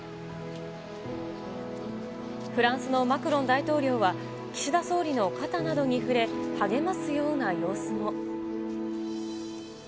フランスのマクロン大統領は、岸田総理の肩などに触れ、励ますような様子も。